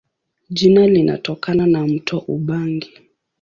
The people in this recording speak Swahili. Jina linatokana na mto Ubangi.